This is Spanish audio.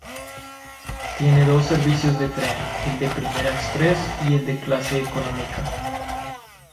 Tiene dos servicios de tren, el de Primera Express y el de Clase Económica.